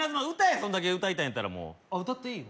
そんだけ歌いたいんやったらもうあっ歌っていいの？